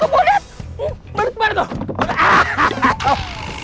aduh kemana kau